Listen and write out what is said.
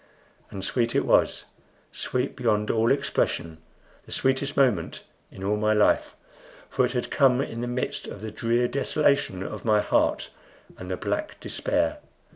And sweet it was sweet beyond all expression the sweetest moment in all my life; for it had come in the midst of the drear desolation of my heart and the black despair.